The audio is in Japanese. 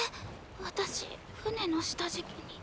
私船の下敷きに。